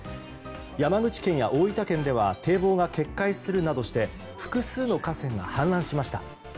山口県や大分県では堤防が決壊するなどして複数の河川が氾濫しました。